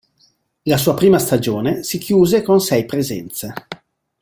La sua prima stagione si chiuse con sei presenze.